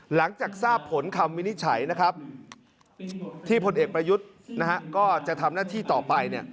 หลังจากทราบผลคำวินิจฉัยนะครับที่พลเอกประยุทธ์ก็จะทำหน้าที่ต่อไป